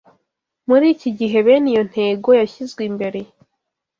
Muri iki gihe bene iyo ntego yashyizwe imbere